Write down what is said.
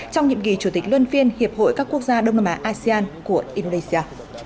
trong nhiệm kỳ chủ tịch luân phiên hiệp hội các quốc gia đông nam á asean của indonesia